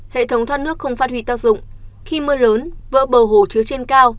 hệ thống thoát nước không phát huy tác dụng khi mưa lớn vỡ bờ hồ chứa trên cao